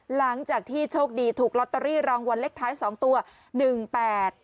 หลังจากที่โชคดีถูกลอตเตอรี่รางวัลเลขท้ายสองตัวหนึ่งแปด